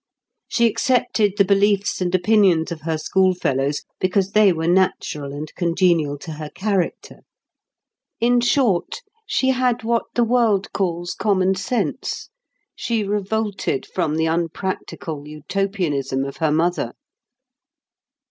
She accepted the beliefs and opinions of her schoolfellows because they were natural and congenial to her character. In short, she had what the world calls common sense: she revolted from the unpractical Utopianism of her mother.